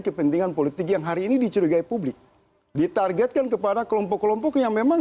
kepentingan politik yang hari ini dicurigai publik ditargetkan kepada kelompok kelompok yang memang